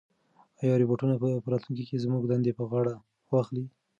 ایا روبوټونه به په راتلونکي کې زموږ دندې په غاړه واخلي؟